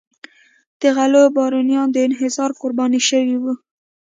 د غلو بارونیانو د انحصار قرباني شوي وو.